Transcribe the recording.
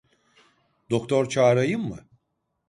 Doktor çağırayım mı?